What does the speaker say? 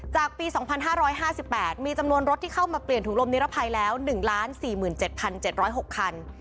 ปี๒๕๕๘มีจำนวนรถที่เข้ามาเปลี่ยนถุงลมนิรภัยแล้ว๑๔๗๗๐๖คัน